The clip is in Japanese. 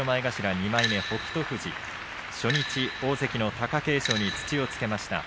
２枚目北勝富士初日、大関の貴景勝に土をつけました。